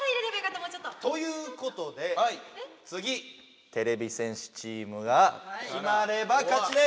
もうちょっと。ということでつぎてれび戦士チームが決まれば勝ちです。